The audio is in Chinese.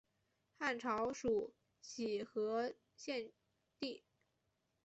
汉朝属徒河县地。